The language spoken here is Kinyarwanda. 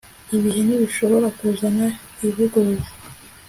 ibihe ntibishobora kuzana ivugurura